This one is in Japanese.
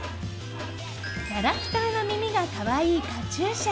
キャラクターの耳が可愛いカチューシャ。